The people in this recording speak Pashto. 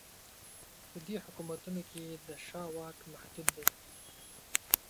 په دې حکومتونو کې د شاه واک محدود دی.